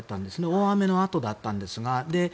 大雨のあとだったんですが。